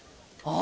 あ。